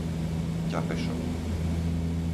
Ťapešovo